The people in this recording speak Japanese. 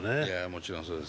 もちろんそうです。